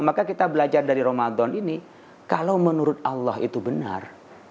maka kita belajar dari ramadan ini kalau menurut allah itu benar